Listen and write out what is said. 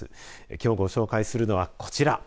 きょうご紹介するのはこちら。